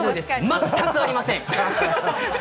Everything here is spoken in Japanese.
全くありません。